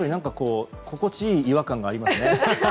心地いい違和感がありますね。